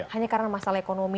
hanya karena masalah ekonomi